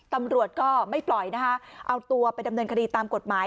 ตำรวจก็ไม่ปล่อยนะคะเอาตัวไปดำเนินคดีตามกฎหมาย